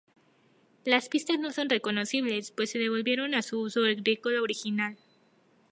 Las pistas no son reconocibles, pues se devolvieron a su uso agrícola original.